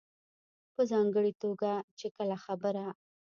په ځانګړې توګه چې کله خبره